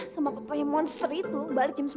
sama kepohen monster itu balik jam sebelas